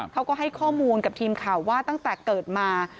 เขาก็ให้ข้อมูลกับทีมข่าวว่าตั้งแต่เกิดมา